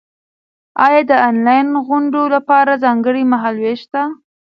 ایا د انلاین غونډو لپاره ځانګړی مهال وېش شته؟